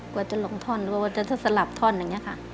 กว่าจะลงทอนหรือว่าจะสลับทอนอย่างนี้ค่ะ